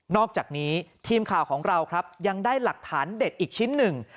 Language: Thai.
อกจากนี้ทีมข่าวของเราครับยังได้หลักฐานเด็ดอีกชิ้นหนึ่ง